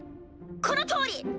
このとおり！